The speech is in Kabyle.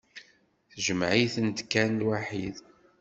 Jemɛemt-tent kan lwaḥid.